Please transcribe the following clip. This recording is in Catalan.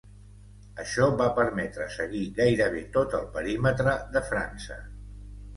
Això va permetre seguir gairebé tot el perímetre de França.